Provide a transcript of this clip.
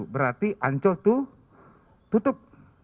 berarti ancol itu tutup